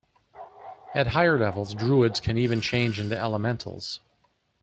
At higher levels Druids can even change into elementals.